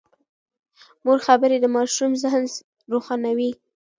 د مور خبرې د ماشوم ذهن روښانوي.